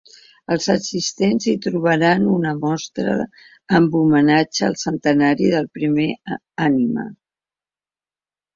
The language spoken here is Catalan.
Els assistents hi trobaran una mostra en homenatge al centenari del primer anime.